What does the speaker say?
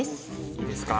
いいですか？